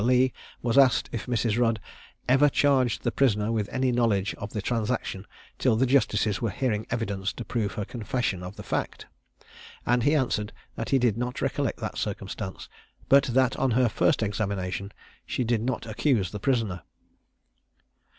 Leigh was asked if Mrs. Rudd "ever charged the prisoner with any knowledge of the transaction till the justices were hearing evidence to prove her confession of the fact;" and he answered that he did not recollect that circumstance, but that on her first examination she did not accuse the prisoner.